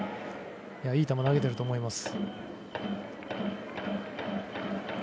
いい球を投げていると思います。